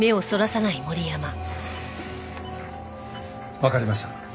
わかりました。